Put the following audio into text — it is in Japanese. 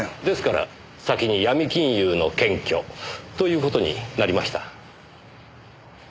ですから先にヤミ金融の検挙という事になりました。